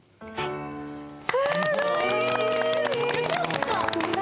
すごい。何？